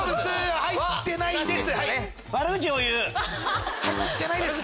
入ってないです。